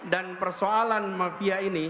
dan persoalan mafia ini